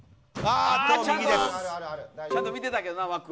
ちゃんと見てたけどな、枠を。